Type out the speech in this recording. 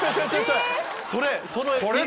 それそれ！